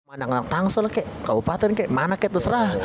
mana ngelang tangsel kek kebupaten kek mana kek terserah